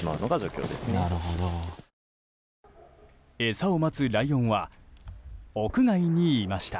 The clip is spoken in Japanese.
餌を待つライオンは屋外にいました。